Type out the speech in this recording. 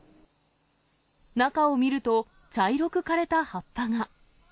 中を見ると、茶色く枯れた葉っぱが。